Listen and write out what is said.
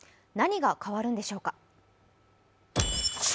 何が変わるのでしょうか。